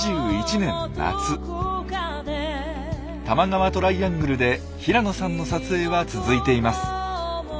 多摩川トライアングルで平野さんの撮影は続いています。